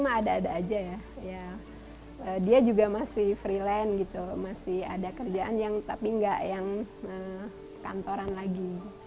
masih ada kerjaan yang tapi gak yang kantoran lagi